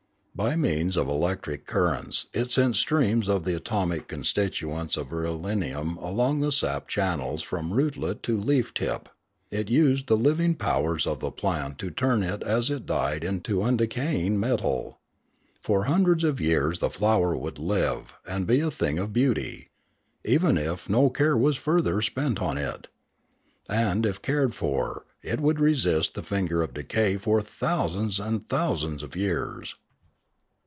By means of electric currents, it sent streams of the atomic constituents of irelium along the sap channels from rootlet to leaf tip; it used the living powers of the plant to turn it as it died into uudecaying metal. For hundreds of years the flower would live and be a thing of beauty, even if no care was further spent on it; and, if cared for, it would resist the finger of decay for thou sands and thousands of years.